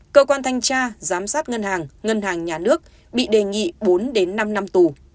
cơ quan thanh tra giám sát ngân hàng ngân hàng nhà nước bị đề nghị bốn năm năm tù